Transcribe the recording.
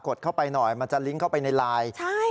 ดเข้าไปหน่อยมันจะลิงก์เข้าไปในไลน์